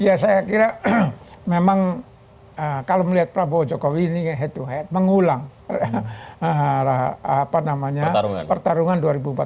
ya saya kira memang kalau melihat prabowo jokowi ini head to head mengulang pertarungan dua ribu empat belas